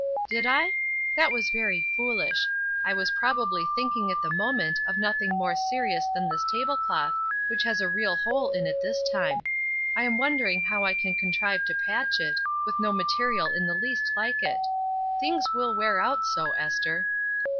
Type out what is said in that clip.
"Did I? That was very foolish. I was probably thinking at the moment of nothing 278 ESTER RIED'S NAMESAKE more serious than this tablecloth which has a real hole in it this time; I am wondering how I can contrive to patch it, with no material in the least like it. Things will wear out so, Esther